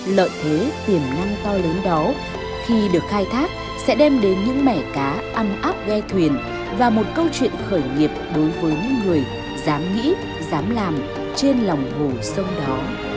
lợi thế tiềm năng to lớn đó khi được khai thác sẽ đem đến những mẻ cá ăn áp ghe thuyền và một câu chuyện khởi nghiệp đối với những người dám nghĩ dám làm trên lòng hồ sông đó